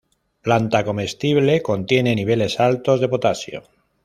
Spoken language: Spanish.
Planta comestible, contiene niveles altos de potasio.